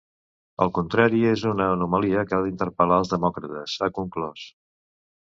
El contrari és una anomalia que ha d’interpel·lar els demòcrates, ha conclòs.